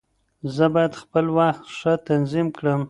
زه بايد خپل وخت ښه تنظيم کړم.